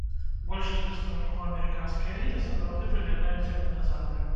Большасць прадстаўнікоў амерыканскай эліты сапраўды выглядаюць як дыназаўры.